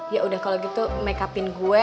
ya udah kalo gitu makeupin gue